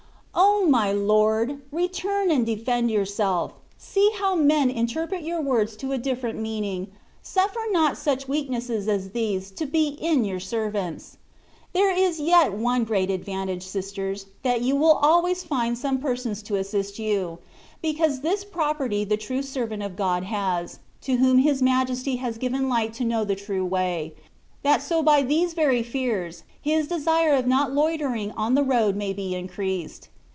O my Lord! return and defend yourself: see how men interpret your words to a different meaning ; suffer not such weaknesses as these to be in your servants. There is yet one great advantage, sisters, that you will always find some persons to assist you, because this property the true servant of God has, to whom His Majesty has given light to know the true way^ that so by these very fears, his desire of not loitering on the road may be increased.